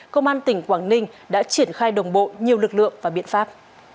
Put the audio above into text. công an tỉnh quảng ninh đã triển khai đồng bộ nhiều lực lượng và biện pháp